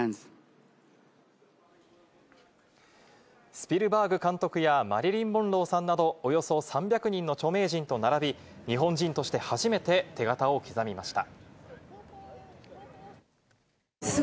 スピルバーグ監督やマリリン・モンローさんなど、およそ３００人の著名人と並び、日本人として初めて手形を刻みました。